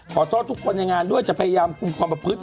ขอโทษทุกคนในงานด้วยจะพยายามคุมความประพฤติ